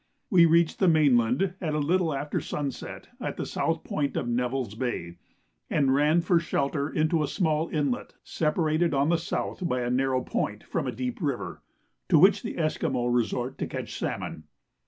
We reached the main land a little after sunset at the south point of Nevill's Bay, and ran for shelter into a small inlet separated on the south by a narrow point from a deep river, to which the Esquimaux resort to catch salmon.